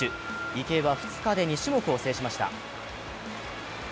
池江は２日で２種目を制しました。